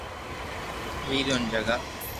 ویرون جگا